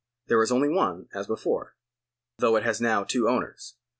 There is only one as before, though it has now two owners.